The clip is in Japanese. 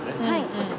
はい。